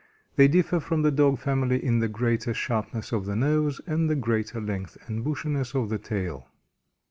They differ from the dog family in the greater sharpness of the nose and the greater length and bushiness of the tail.